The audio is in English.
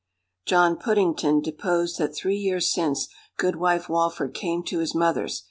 "John Puddington deposed that three years since, Goodwife Walford came to his mother's.